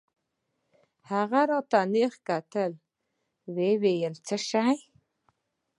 هغه راته نېغ وکتل ويې ويل څه شى.